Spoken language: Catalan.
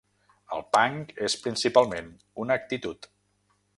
El punk és principalment una actitud.